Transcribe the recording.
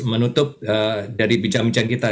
menutup dari bincang bincang kita